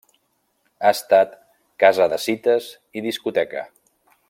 Ha estat casa de cites i discoteca.